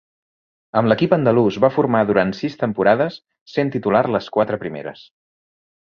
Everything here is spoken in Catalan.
Amb l'equip andalús va formar durant sis temporades, sent titular les quatre primeres.